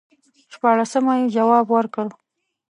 شپاړسمه یې جواب ورکړ.